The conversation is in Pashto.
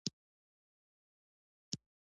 په افغانستان کې هوا ډېر اهمیت لري.